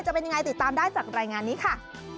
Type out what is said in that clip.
จะเป็นยังไงติดตามได้จากรายงานนี้ค่ะ